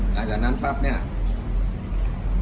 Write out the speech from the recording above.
หลังจากนั้นปั๊บเนี่ย